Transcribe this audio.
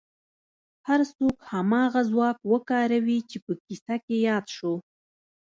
هر څوک هماغه ځواک وکاروي چې په کيسه کې ياد شو.